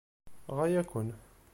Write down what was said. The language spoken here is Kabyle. Ɣaya-ken!